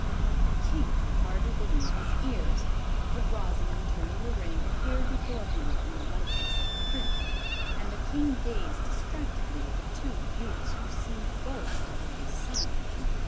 The King could hardly believe his ears; but Rosimond, turning the ring, appeared before him in the likeness of the Prince, and the King gazed distractedly at the two youths who seemed both to be his son.